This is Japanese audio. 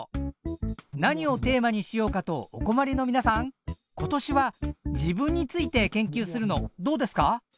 何をテーマにしようかとお困りのみなさん今年は自分について研究するのどうですか？